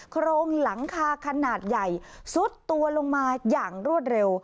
โครงหลังคาขนาดใหญ่ซุดตัวลงมาอย่างรวดเร็ว